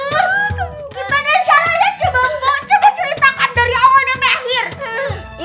gimana caranya coba bocok ya ceritakan dari awal sampai akhir